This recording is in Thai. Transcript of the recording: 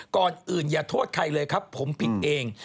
ก่อนอื่นอย่าโทษใครเลยครับผมผิดเอง